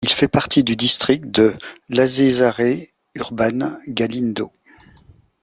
Il fait partie du district de Lasesarre-Urban Galindo.